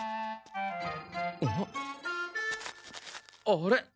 あれ？